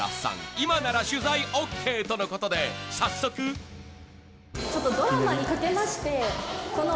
今なら取材ＯＫとのことで早速ちょっとドラマにかけましていきなり？